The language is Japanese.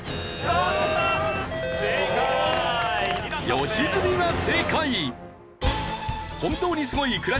良純が正解。